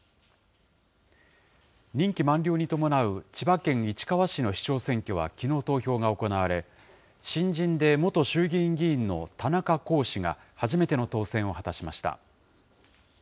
任期満了に伴う千葉県市川市の市長選挙は、きのう投票が行われ、新人で元衆議院議員の田中甲氏が初めての当選を果たしました。